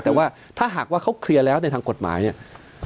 แต่ว่าถ้าหากว่าเขาเคลียร์แล้วในทางกฎหมายเนี่ย